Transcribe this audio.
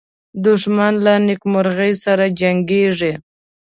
دښمن له نېکمرغۍ سره جنګیږي